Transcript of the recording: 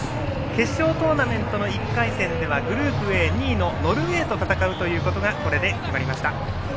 決勝トーナメントの１回戦ではグループＡ２位のノルウェーと戦うことがこれで決まりました。